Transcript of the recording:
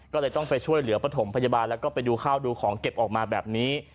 ก็เลยต้องไปช่วยเหลือประถมพยาบาลแล้วก็ไปดูข้าวดูของเก็บออกมาแบบนี้